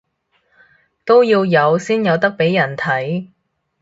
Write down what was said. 都要有先有得畀人睇